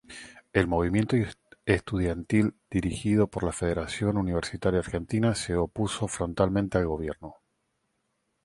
El movimiento estudiantil dirigido por la Federación Universitaria Argentina se opuso frontalmente al gobierno.